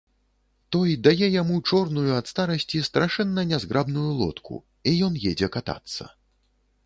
Той дае яму чорную ад старасці, страшэнна нязграбную лодку, і ён едзе катацца.